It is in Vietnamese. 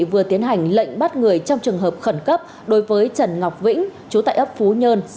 vừa tiến hành lệnh bắt người trong trường hợp khẩn cấp đối với trần ngọc vĩnh chú tại ấp phú nhơn